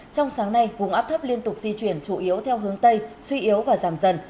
trong sáng nay vùng áp thấp liên tục di chuyển chủ yếu theo hướng tây suy yếu và giảm dần